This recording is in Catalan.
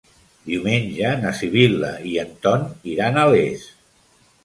Diumenge na Sibil·la i en Ton iran a Les.